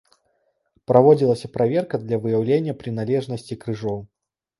Праводзілася праверка для выяўлення прыналежнасці крыжоў.